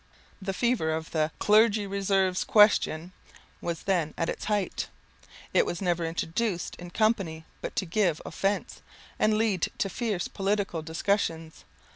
The fever of the "Clergy Reserves question" was then at its height. It was never introduced in company but to give offence, and lead to fierce political discussions.